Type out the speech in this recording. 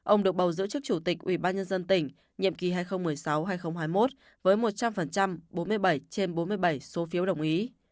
ông được bầu giữ chức chủ tịch ủy ban nhân dân tỉnh nhiệm kỳ hai nghìn một mươi sáu hai nghìn hai mươi một với một trăm linh bốn mươi bảy trên bốn mươi bảy số phiếu đồng ý